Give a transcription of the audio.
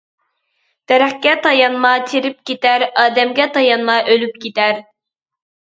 دەرەخكە تايانما چىرىپ كېتەر، ئادەمگە تايانما ئۆلۈپ كېتەر.